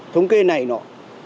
thông kê này nọ